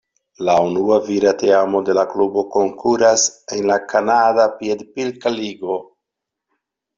La unua vira teamo de la klubo konkuras en la Kanada piedpilka ligo.